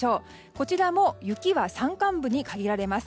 こちらも雪は山間部に限られます。